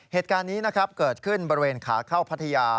เหตุการณ์นี้นะครับเกิดขึ้นบริเวณขาเข้าพัทยา